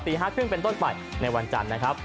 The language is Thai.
ตี๕๓๐เป็นต้นไปในวันจันทร์นะครับ